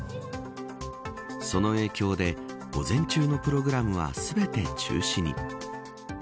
その影響で午前中のプログラムは全て中止に。